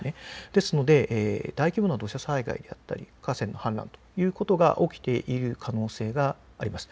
ですので大規模な土砂災害であったり河川の氾濫ということが起きている可能性があります。